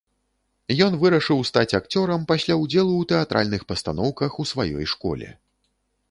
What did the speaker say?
Ён вырашыў стаць акцёрам пасля ўдзелу ў тэатральных пастаноўках у сваёй школе.